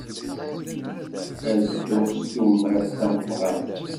Ad dduɣ s tumert d tameqrant.